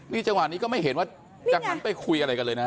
นี่จังหวะนี้ก็ไม่เห็นว่าจะหันไปคุยอะไรกันเลยนะฮะ